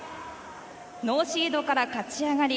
ノーシードから勝ち上がり